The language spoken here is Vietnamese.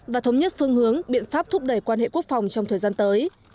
và thống nhất phương hướng biện pháp thúc đẩy quan hệ quốc phòng trong thời gian tới